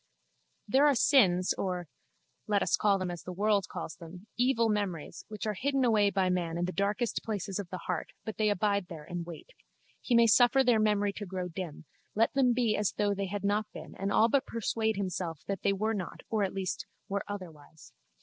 There are sins or (let us call them as the world calls them) evil memories which are hidden away by man in the darkest places of the heart but they abide there and wait. He may suffer their memory to grow dim, let them be as though they had not been and all but persuade himself that they were not or at least were otherwise.